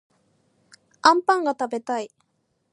あんぱんがたべたい